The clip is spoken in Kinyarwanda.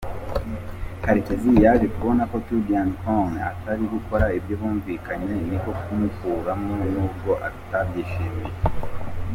Karekezi yaje kubona ko Tidiane Kone atari gukora ibyo bumvikanye niko kumukuramo nubwo atabyishimiye.